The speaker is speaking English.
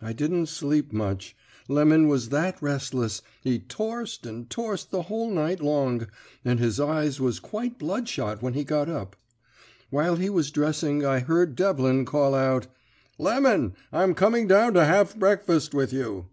I didn't sleep much; Lemon was that restless he torsed and torsed the whole night long, and his eyes was quite bloodshot when he got up. While he was dressing I heard Devlin call out: "'Lemon, I'm coming down to have breakfast with you.'